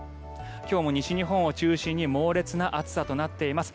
今日も西日本を中心に猛烈な暑さとなっています。